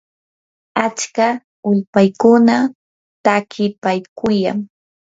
achka ulpaykuna takipaakuyan.